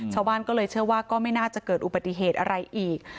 ชาวบ้านก็เลยเชื่อว่าก็ไม่น่าจะเกิดอุบัติเหตุอะไรอีก